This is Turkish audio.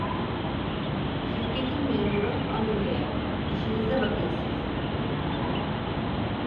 Şirketin memuru, ameleye: "İşinize bakın siz!" dedi.